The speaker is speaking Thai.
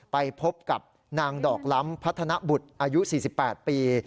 ไปพบกับนางดอกล้ำพัฒนบุตรอายุ๔๘ปี